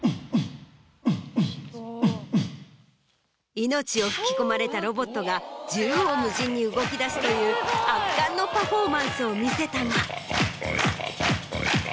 命を吹き込まれたロボットが縦横無尽に動き出すという圧巻のパフォーマンスを見せたが。